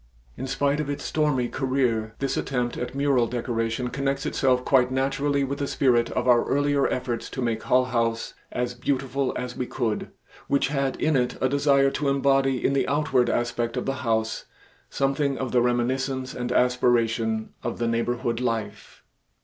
In spite of its stormy career this attempt at mural decoration connects itself quite naturally with the spirit of our earlier efforts to make Hull House as beautiful as we could, which had in it a desire to embody in the outward aspect of the House something of the reminiscence and aspiration of the neighborhood life.